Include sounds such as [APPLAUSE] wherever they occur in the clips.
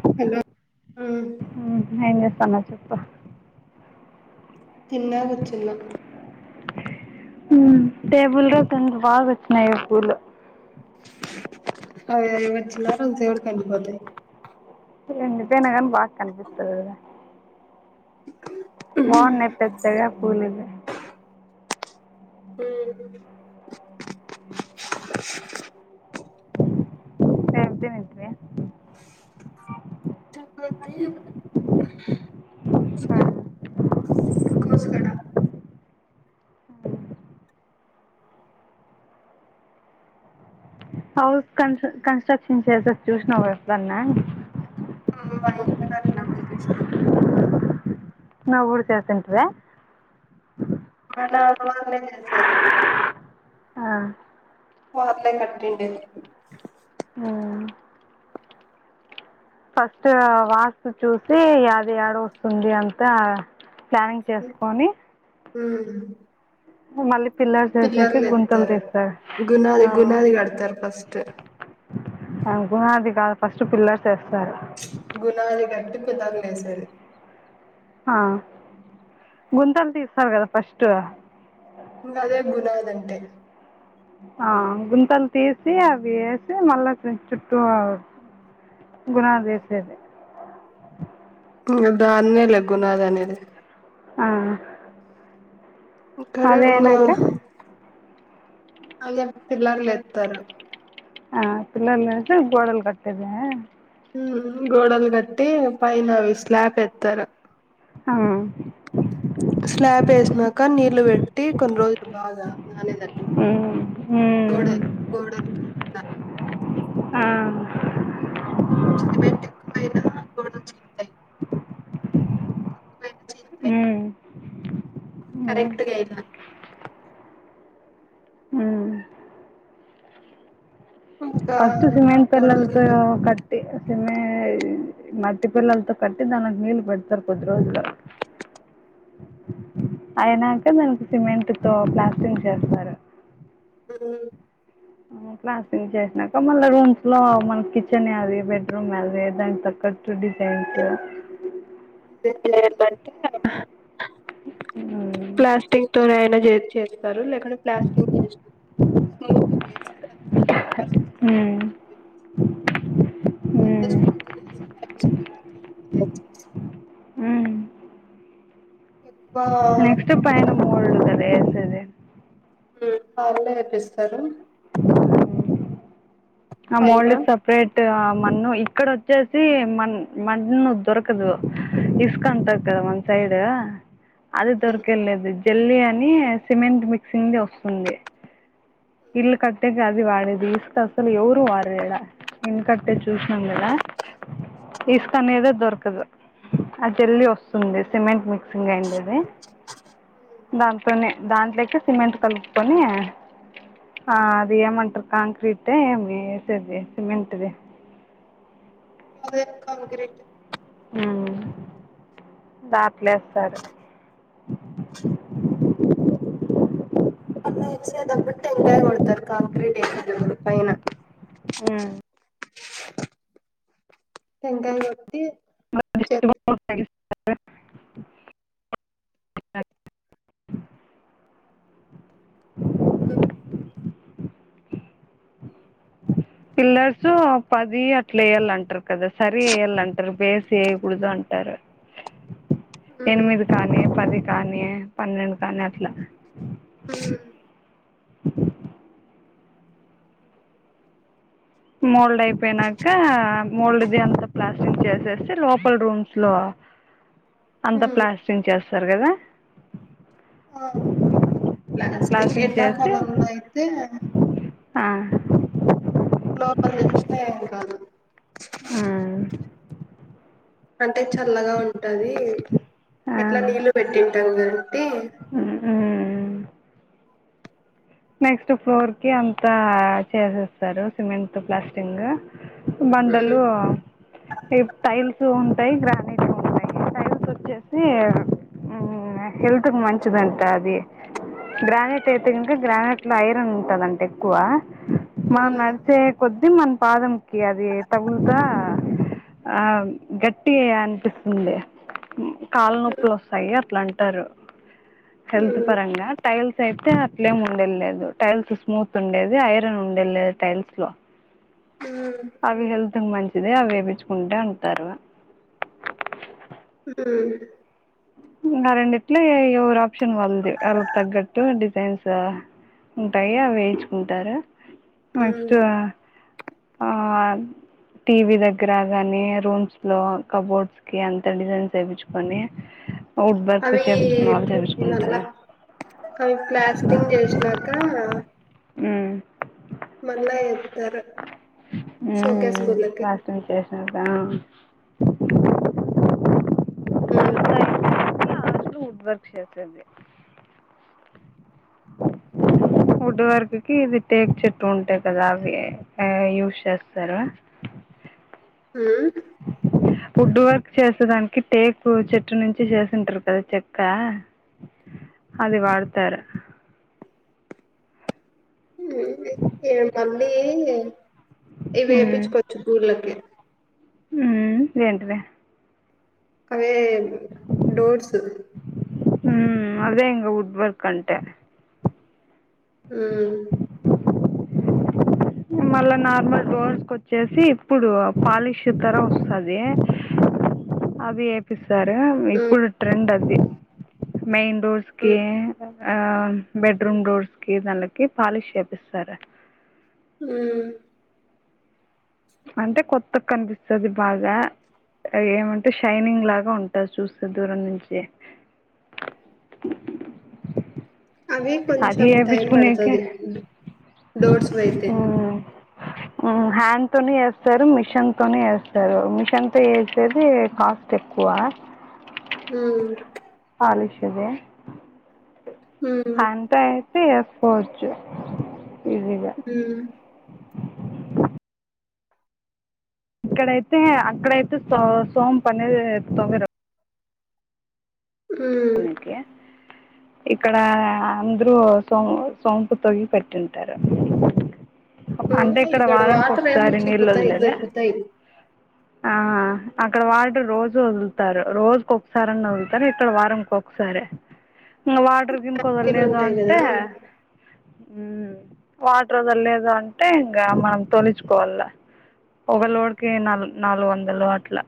హు hello ఉమ్ ఎంజేస్తాన్నావ్ చెప్పు తిన్న కూర్చున్న హు టేబుల్గా కొంత బాగొచ్చినాయి పూలు అవేవొచ్చిన దేవుడికెళ్ళిపోతాయి అసల్ ఎండిపోయినాగని బాగ్ కన్పిస్తాయి కదరా బాగున్నాయి పెద్దగా పుల్వ్వీ హు ఏం [UNINTELLIGIBLE] టివే [UNINTELLIGIBLE] ఉన్నాయి తీస్కో కోస్కడా హౌస్ కన్ కన్స్ట్రక్షన్ చేసేది చూసినవా ఎప్పుడన్నా ఆ [UNINTELLIGIBLE] ఇంటికాడ ఉన్నపుడు చూసినా నా ఊర్ చూసుంటివా నాక్ మా అన్నే తెచ్చేది ఆ మా అన్నాయి కట్టిండేది హు ఫస్ట్ వాస్తు చూసి అది యాడ వస్తుంది అంతా ప్లానింగ్ చేసుకొని హుమ్ మళ్ళీ పిల్లర్ చేసేసి గుంతలు తీస్తారు గునాది గునాది కడతారు ఫస్ట్ ఆ గు అది కాదు ఫస్ట్ పిల్లర్స్ ఏస్తారు గుణ అది గట్టుకు కుదర్లు ఏసేది ఆ గుంతలు తీస్తారు కదా ఫస్ట్ ఇంగ అదే బునాదంటే ఆ గుంతలు తీసి అవి యేసి మళ్ళా చుట్టూ గునాలుదీసేది ఇంగ దాన్నే లే గునాది అనేది ఆ ఒక్కరే అదే ఇంగ అయినాక అదయ్యాక పిల్లరు లేప్తరు ఆ పిల్లర్ లేస్తే గోడల్ గట్టదే ఉమ్ గోడలు గట్టి పైన అవి స్లాబ్ ఎత్తరు ఉమ్, స్లాబ్ యేసినాక నీ లు పెట్టి కొన్ని రోజులు బాగా నానే దాన్కి గోడ ఉమ్, గోడకి ఆ ఆ పైనా గోడ చింత్తయ్ ఉమ్ ఉమ్, కరెక్ట్ గైనా ఉమ్. ఇంకా ఫస్ట్ సిమెంట్ గోడల పెల్లల్ తో కింద కట్టి సిమె మట్టి పెల్లలతో కట్టి దానికి నీళ్లు పెడతారు కొద్ది రోజుల అయినాక దానికి సిమెంట్ తో ప్లాస్టింగ్ చేస్తారు అ ప్లాస్టింగ్ చేసినాక మళ్ళ రూమ్స్ లో మన కిచెన్ అది బెడ్రూమ్ అది దానికి తక్క టు డిజైన్స్ పిల్లరు బడితే ప్లాస్టింగ్ తో అయినా చేస్తారు లేకుంటే ప్లాస్టింగ్ చేసినాకా స్మిత్ చేస్ ఉమ్ [UNINTELLIGIBLE] ఎక్కువ నెక్స్ట్ పైన మోల్డ్ గదా యేసేది ఉమ్ వాళ్ళే ఏప్పిస్తారు ఆ పైన మోల్డ్ కి సప్రేట్ మన్ను ఇక్కడ వచ్చేసి మ మన్ను దొరకదు ఇసుక అంటరు కదా మన సై డు అది ఉమ్. దొరకేలేదు జల్లి అని సిమెంట్ మిక్సింగ్ వస్ ఉంది ఇల్లు కట్టేక అది వాడేది ఇసుక అసలు ఎవ రు వారు వేళ ఇంకట్టే చూసినం గదా ఇసుక అనేదే దొరకదు ఆ జల్లి వస్తుంది సిమెంట్ మిక్సింగ్ గ్రైండర్ దాంతోనే దాంట్లోకి సిమెంట్ కలుపుకొని ఆ అది ఏమంటారు కాంక్రీటే ఏమి యేసేది సిమెంట్ది అదే కాంగ్రీటు ఉమ్ దాట్లేస్తారు [INAUDIBLE] అదే యేసేటప్పుడు టెంకాయ కొడతారు కాంక్రీట్ యేసేటప్పుడు పైన ఉమ్ టెంకాయ గొట్టి చె [UNINTELLIGIBLE] ఉమ్ [INAUDIBLE] పిల్లర్స్ పది అట్లా వెయ్యాల అంటారు కదా సరి వెయ్యాల అంటారు బేస్ వేయకూడదు అంటారు ఉమ్. ఎనిమిది కానీ పది కానీ పన్నెండు కానీ అట్లా మోల్డ్ అయిపోనాక మోల్డ్ ది అంత ప్లాస్టిక్ చేసేసి లోపల్ రూమ్స్ లో అంత ఉమ్. ప్లాస్టింగ్ చేస్తారు కదా ఆ ప్లాస్టిక్ ప్లాస్టింగ్ ఎలా చేసి చలం అయితే ఆ అప్పలు తెలిస్తే కాదు ఆ అంటే చల్లగా ఉంటది ఆ ఎట్లా నీళ్లు పెట్టుంటారు కంటీ ఆ నెక్స్ట్ ఫ్లోర్ కి అంతా చేసేస్తారు సిమెంట్ ప్లాస్టింగ్ ఉమ్. బండలు టైల్స్ ఉంటాయి గ్రానైట్ ఉంటాయి టైల్స్ వచ్చేసి హెల్త్ కి మంచిదంట అది గ్రనేట్ అయితే గ్రానేట్ లో ఐరన్ ఉంటది అంట ఎక్కువ మా హ్మ్. మరిది కొద్ది దిమ్ మన పాదం కి అది తగులుతా ఆ గట్టి అంటుకుంది కాళ్ళ నొప్పులు వస్తాయి అట్లా అంటారు హెల్త్ హ్మ్. పారంగా టైల్స్ అయితే లేమ్ ఉండే లేదు టైల్స్ స్మూత్ ఉండేది ఐరన్ ఉండే లేదు టైల్స్ లో అవి హెల్త్ అంతకు మంచిదే అవి వేపిచ్చుకుంటా అంటారు ఉ ఆ రెండిట్లే ఎవరు ఆప్షన్ వాలదు వాళ్ళకి తగ్గట్టు డిజైన్స్ ఉంటాయి అవి వేయించుకుంటారు నెక్స్ట్ హ్మ్. ఆ టీవీ దగ్గర అవన్నీ రూమ్స్ లో కబోర్డ్స్ కి అంత డిజైన్స్ వేప్పించుకొని అవి చేపించుకుంటారు నల్లక్ అవి ప్లాస్టింగ్ చేసినాక మల్ల ఎప్పు ఉ గుళ్ళకి ప్లాస్టింగ్ చేసాక ఉ అ వాళ్లు ఉడ్ వర్క్ చేస్తుంది వుడ్ వర్క్ కి ఇవి టేక్ చెట్టు ఉంటాయి కదా అవి ఏ ఈ యూస్ చేస్తారు ఉ ఫుడ్ వర్క్ చేసేడానికి టేక్ చెట్టు నుంచి చేసింటారు కదా చెక్క అది వాడతారు హ్మ్. ఏ మళ్ళీ ఇ వేపించుకోవచ్చు ఊర్లకి ఉ ఏంటిది అవే డోర్స్ హ అవే ఇంగ వుడ్ వర్క్ అంటే ఆ మళ్ళా నార్మల్ డోర్స్ కి వచ్చేసి ఇప్పుడు పాలిష్ తరా వస్తది అది ఏపి సార హ్మ్. ఇప్పుడు ట్రెండ్ అది మెయిన్ రోడ్స్ కి హ్మ్. ఆ బెడ్రూమ్ డోర్స్ కి దాండ్లకి పాలిష్ చేపిస్తారు హు అంటే కొత్తగ కనిపిస్తది బాగా ఏమంటే షైనింగ్ లాగ ఉంటది చూస్తే దూరం నుంచి అవి అది కొంచెం టైం వేయించుకునేకే పడుతది డోర్స్ వయితే హ్యాండ్ తోని వేస్తారు మిషన్ తోని వేస్తారు మిషన్ తో వేసేది కాస్ట్ ఎక్ వా హు [UNINTELLIGIBLE] [UNINTELLIGIBLE] హ్మ్. అయితే చేసుకోవచ్చు ఈజీగా హ్మ్. ఇక్కడైతే అక్కడైతే సో సోమ్పనేది [UNINTELLIGIBLE] హు నీకు ఇక్కడ అందరూ సో సోంపు తొగి పెట్టింటారు అంటే హ్మ్. ఇక్కడ వారనికి వాటరేమో ఒకసారి నీళ్ళు చిక్కుతాయి, వదిలేది దొరుకుతాయి. అక్కడ వాటర్ రోజు వదులుతారు రోజుకి ఒకసారన్న వదులుతారు ఇక్కడ వారం ఒకసారి ఇంగ వాటర్ గినుక వదలలేదు గిన్నుంటాయి అంటే గదా! వాటర్ వదల లేదు అంటే ఇంకా మనం తొలిచుకోవాల ఒక లోడ్కి నాలు నాలుగు వందలు అట్ల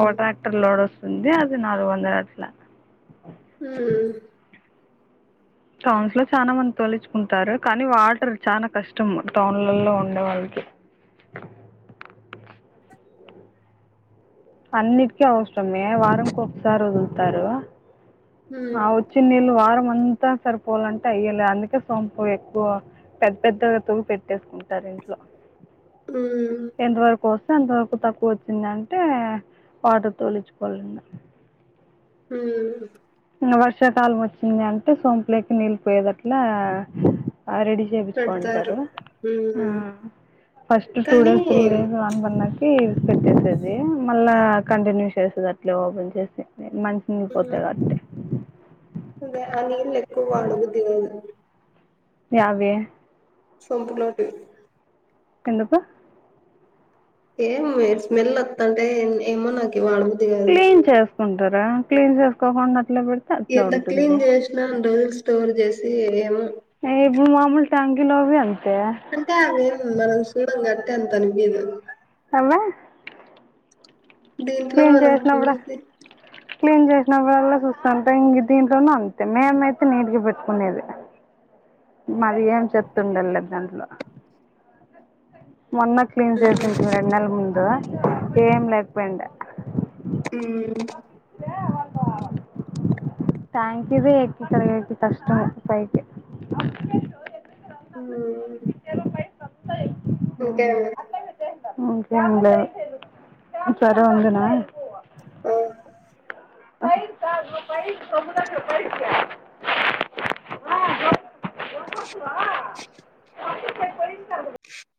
ఒక ట్రాక్టర్ లోడ్ వస్తుంది అది నాలుగు వందలు అట్ల ఊ టౌన్స్ లో చాన మంది తోలుచుకుంటారు కానీ వాటర్ చాలా కష్టం టౌన్ లలో ఉండే వాళ్ అన్నిటికీ అవసరమే వారం కి ఒకసారి వదులుతారు హ్మ్. ఆ ఒచ్చిన నీళ్ళు వారం వ అంత సరిపోవాలంటే అయ్యలే అందుకే సొంపు ఎక్కువ పెద్ద పెద్దగా తొవ్వి పెట్టేసుకుంటారు అట్ల హ్మ్. ఎంత వరుకో అంతవరకు తక్కువ వచ్చింది అంటే [UNINTELLIGIBLE] తోలుచుకోవాల ఇంగ ఊ వర్షాకాలం వచ్చింది అంటే సోంపులేకి నీళ్ళి పోయేది అట్ల రెడీ పెడతారు. చేపించుకోనింటారు హ్మ్. ఫస్ట్ టూ కానీ డేస్ త్రీ డేస్ అన్ బనకి పెట్టేసేది మళ్ళా కంటిన్యూ చేసేది అట్లే ఓపెన్ చేసి [UNINTELLIGIBLE] అంటే ఆ నీళ్ళు ఎక్కువ వడ బుద్ధిగాదు ఇగవి సొంతలోటి ఎందుకు ఏ స్మెల్ వత్త అంటే ఏమైనక్ క్లీన్ చేసుకుంటరా క్లీన్ చేసుకోకుండా అట్లా పెడితే అట్లా ఎంత క్లీన్ ఉంటుంది చేసినా రోజ్ స్టోర్ చేసి ఏమో ఎబు మాముూల్ టాంకిలోవన్ అంటే అవేం మనం చూడం కాబట్టి అంత అనిపియదు అవ్వ దీంట్లో మనం చేసినప్పుడు చూస్తే క్లీన్ చేసినప్పుడల్ల చూస్తంట ఇంగ దీంట్లోను అంతే మేమయితే నీట్గా పెట్కునేది [UNINTELLIGIBLE] మరి ఏం చెప్తుండలేద్ దాంట్లో మొన్న క్లీన్ హ్మ్. చేసింట రెండు నెల్ల ముందు ఏం లేక్పోయిండే ఉమ్ ట్యాంకిది ఎక్కుతరూ కద ఎంత కష్టమో పైకి ఉమ్ ఇంకే అండి ఇంకేం లేదు సరే ఉండనా ఉమ్ పైక్ కాద్ర పైక్ కొమ్ము దగ్గర పైకి [UNINTELLIGIBLE] ఫస్ట్ వల కట్టిపెట్ పోయుంటర్ పాయింటు